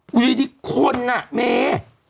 อยู่ดีคนอ่ะแม่